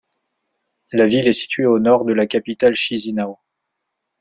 La ville est située au nord de la capitale Chișinău.